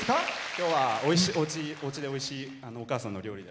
今日はおうちでおいしいお母さんの料理を。